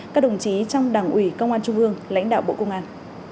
các đồng chí trong đảng ủy công an trung ương lãnh đạo bộ công an